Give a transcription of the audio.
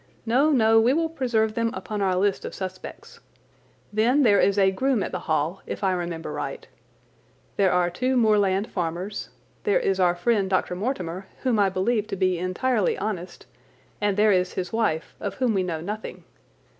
No, no, we will preserve them upon our list of suspects. Then there is a groom at the Hall, if I remember right. There are two moorland farmers. There is our friend Dr. Mortimer, whom I believe to be entirely honest, and there is his wife, of whom we know nothing.